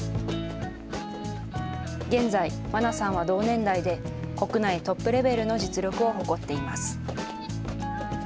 現在、茉奈さんは同年代で国内トップレベルの実力を誇っています。